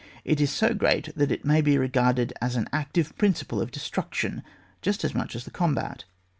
It is so great that it may be re garded as an active principle of destruc tion, just as much as the combat.